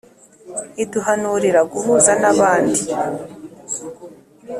iduhanurira guhuza n'abandi